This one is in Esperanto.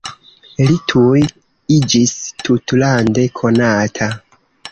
Li tuj iĝis tutlande konata.